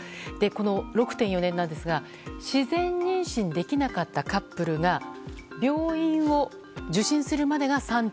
この６．４年ですが自然妊娠できなかったカップルが病院を受診するまでが３．２年。